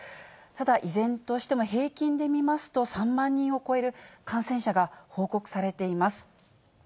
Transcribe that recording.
ただ、依然としても平均で見ますと、３万人を超える感染者が報告されています。